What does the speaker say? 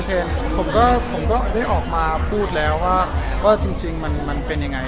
ผมก็ได้ออกมาพูดแล้วว่าจริงมันเป็นยังไง